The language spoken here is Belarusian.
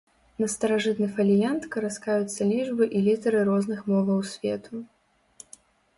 На старажытны фаліянт караскаюцца лічбы і літары розных моваў свету.